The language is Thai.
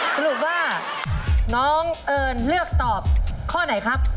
สรุปว่าน้องเอิญเลือกตอบข้อไหนครับ